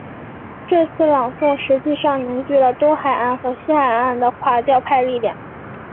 这次朗诵实际上凝聚了东海岸和西海岸的垮掉派力量。